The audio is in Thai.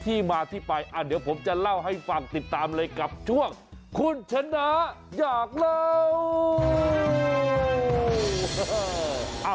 ที่มาที่ไปเดี๋ยวผมจะเล่าให้ฟังติดตามเลยกับช่วงคุณชนะอยากเล่า